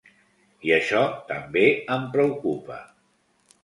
I això també em preocupa.